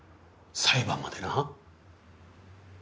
裁判までな。